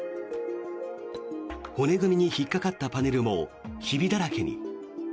骨組みに引っかかったパネルもひびだらけに。